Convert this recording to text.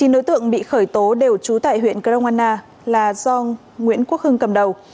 chín đối tượng bị khởi tố đều trú tại huyện grongwana là do nguyễn quốc hưng cầm đầu